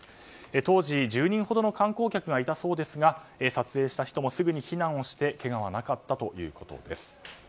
当時、１０人ほどの観光客がいたそうですが撮影した人もすぐに避難してけがはなかったということです。